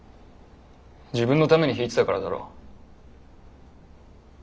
自分のために弾いてたからだろ。